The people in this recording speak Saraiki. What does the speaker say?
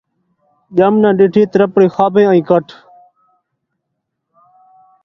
ڄم ناں ݙٹھی ترپڑی ، خوابیں آئی کھٹ